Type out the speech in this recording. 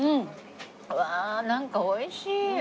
うわあなんか美味しい。